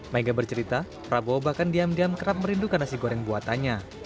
mega bercerita prabowo bahkan diam diam kerap merindukan nasi goreng buatannya